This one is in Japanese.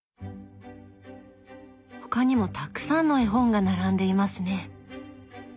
他にもたくさんの絵本が並んでいますね。